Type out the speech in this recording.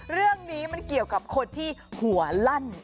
เรื่องนี้มันเกี่ยวกับคนที่หัวลั่น